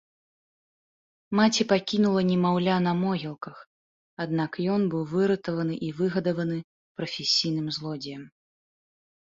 Маці пакінула немаўля на могілках, аднак ён быў выратаваны і выгадаваны прафесійным злодзеем.